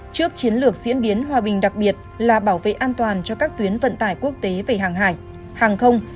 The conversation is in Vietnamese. trước chiến lược diễn biến hòa bình đặc biệt là bảo vệ an toàn cho các tuyến vận tải quốc tế về hàng hải hàng không